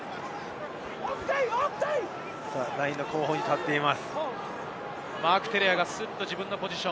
ラインの後方に立っています。